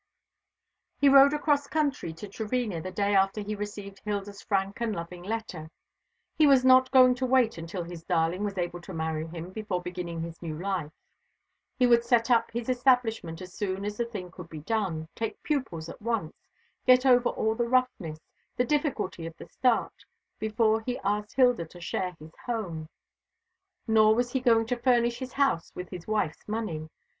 He rode across country to Trevena the day after he received Hilda's frank and loving letter. He was not going to wait until his darling was able to marry him before beginning his new life. He would set up his establishment as soon as the thing could be done, take pupils at once, get over all the roughness, the difficulty of the start, before he asked Hilda to share his home. Nor was he going to furnish his house with his wife's money.